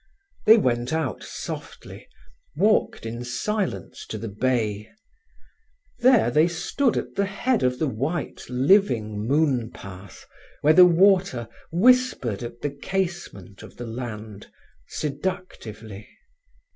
They went out softly, walked in silence to the bay. There they stood at the head of the white, living moonpath, where the water whispered at the casement of the land seductively.